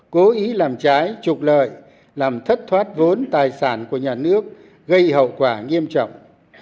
cố ý làm trái trục lợi làm thất thoát vốn tài sản của nhà nước gây hậu quả nghiêm trọng